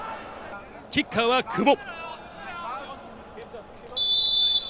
キッカーは久保。